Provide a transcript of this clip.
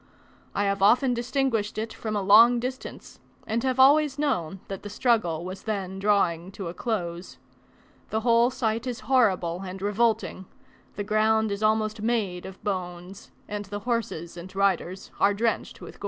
I have often distinguished it from a long distance, and have always known that the struggle was then drawing to a close. The whole sight is horrible and revolting: the ground is almost made of bones; and the horses and riders are drenched with gore.